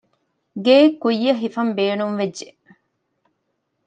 ގެއެއް ކުއްޔަށް ހިފަންބޭނުންވެއްޖެ